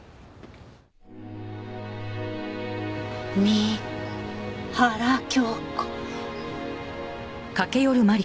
三原京子。